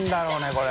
これ。